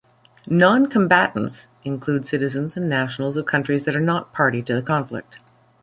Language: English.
"Non-combatants" include citizens and nationals of countries that are not party to the conflict.